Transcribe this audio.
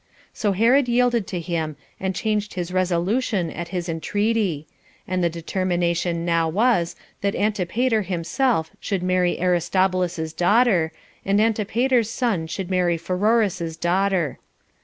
So Herod yielded to him, and changed his resolution at his entreaty; and the determination now was, that Antipater himself should marry Aristobulus's daughter, and Antipater's son should marry Pheroras's daughter.